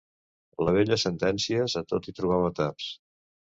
La vella Sentències a tot hi trobava taps.